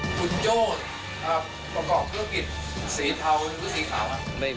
คุณโจ้ประกอบเครื่องกิจสีเทาหรือสีขาว